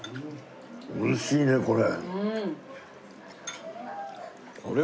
美味しいねこれ！